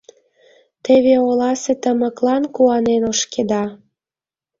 Теве оласе тымыклан куанен ошкеда.